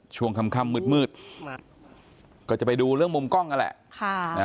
ช่วงค่ำมืดก็จะไปดูเรื่องมุมกล้องนั่นแหละ